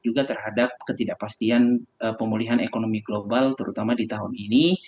juga terhadap ketidakpastian pemulihan ekonomi global terutama di tahun ini